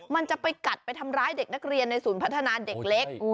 มันจะไปกัดไปทำร้ายเด็กนักเรียนในศูนย์พัฒนาเด็กเล็ก